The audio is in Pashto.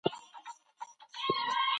نجلۍ په پخلنځي کې لوښي مینځي.